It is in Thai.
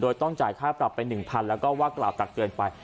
โดยต้องจ่ายค่าปรับไป๑๐๐๐แล้วก็ว่ากล่าวตักเตือนไป